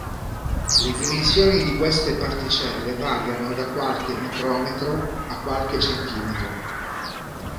Le dimensioni di queste particelle variano da qualche micrometro a qualche centimetro.